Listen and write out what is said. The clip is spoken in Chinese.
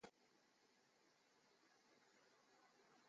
你为什么不回家？